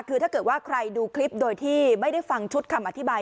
คือถ้าเกิดว่าใครดูคลิปโดยที่ไม่ได้ฟังชุดคำอธิบาย